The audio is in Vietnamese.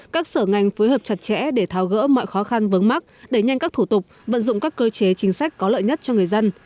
các sở ngành phối hợp chặt chẽ để tháo gỡ mọi khó khăn vớng mắc đẩy nhanh các thủ tục vận dụng các cơ chế chính sách có lợi nhất cho người dân